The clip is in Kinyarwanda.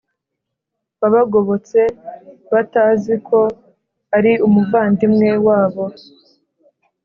wabagobotse batazi ko ari umuvandimwe wabo.